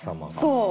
そう。